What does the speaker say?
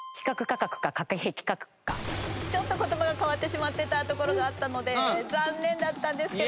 ちょっと言葉が変わってしまってたところがあったので残念だったんですけれども。